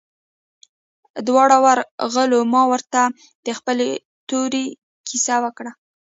دواړه ورغلو ما ورته د خپلې تورې كيسه وكړه.